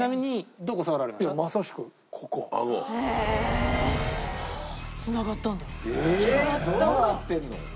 どうなってるの？